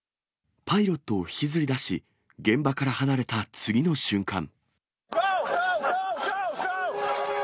パイロットを引きずり出し、現場から離れた次の瞬間。